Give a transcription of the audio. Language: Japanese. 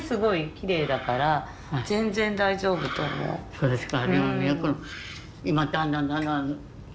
そうですか。